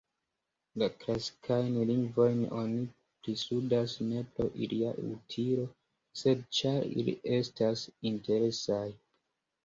La klasikajn lingvojn oni pristudas ne pro ilia utilo, sed ĉar ili estas interesaj.